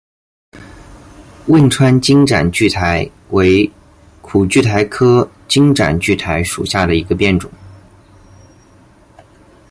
汶川金盏苣苔为苦苣苔科金盏苣苔属下的一个变种。